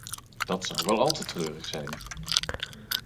Dat zou wel al te treurig zijn!